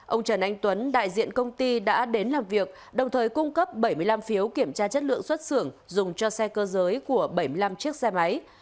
ông trần anh tuấn đại diện công ty đã đến làm việc đồng thời cung cấp bảy mươi năm phiếu kiểm tra chất lượng xuất xưởng dùng cho xe cơ giới của bảy mươi năm chiếc xe máy